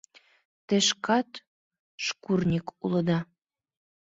Те шкат шкурник улыда!..